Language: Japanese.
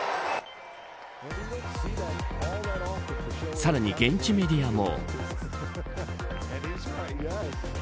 さらに現地メディアも。